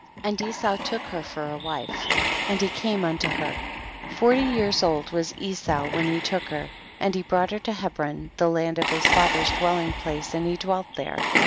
23. And Esau look her for a wife, and he came unto her ; forty years old was Esau when he took her, and he brought her to Hebron the land of his father's dwelling place, and he dwelt there.